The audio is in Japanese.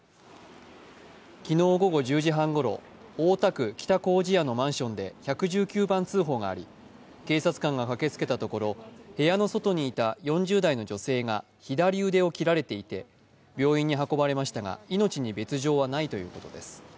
昨日午後１０時半ごろ、大田区北糀谷のマンションで１１９番通報があり警察官が駆けつけたところ、部屋の外にいた４０代の女性が左腕を切られていて病院に運ばれましたが、命に別状はないということです。